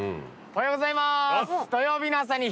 おはようございます。